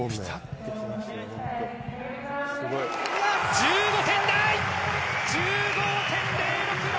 １５点台。１５．０６６。